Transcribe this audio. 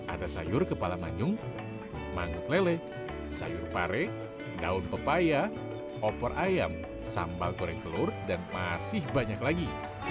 ada sayur kepala manyung mangut lele sayur pare daun pepaya opor ayam sambal goreng telur dan masih banyak lagi